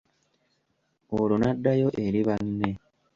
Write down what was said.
Olwo n'addayo eri banne.